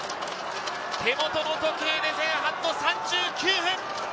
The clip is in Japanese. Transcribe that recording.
手元の時計で前半の３９分。